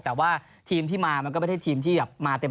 แต่ว่าทีมที่มามันก็ไม่ได้ทีมที่แบบมาเต็ม